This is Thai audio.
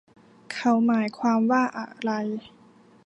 เขาหมายความว่าอะไร